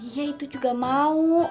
iya itu juga mau